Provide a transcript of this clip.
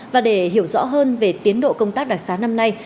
và để hiểu rõ hơn về tiến độ công tác đặc xá năm nay